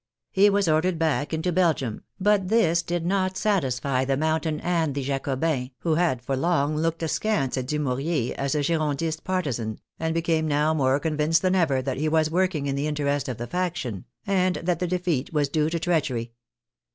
He was ordered back into Belgium, but this did not satisfy the Mountain and the Jacobins, who had for long looked askance at Dumouriez as a Girondist partisan, and became now more convinced than ever that he was working in the interest of the faction, and that the defeat was due to treachery.